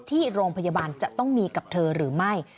ที่โรงพยาบาลจะต้องมีกับเธอหรือไม่